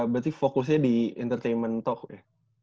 berarti fokusnya di entertainment top ya